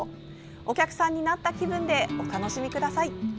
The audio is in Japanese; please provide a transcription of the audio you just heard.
お客さんになった気分でお楽しみください。